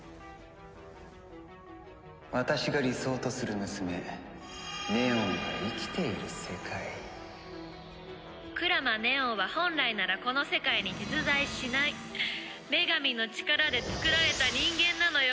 「私が理想とする娘・祢音が生きている世界」「鞍馬祢音は本来ならこの世界に実在しない女神の力でつくられた人間なのよ」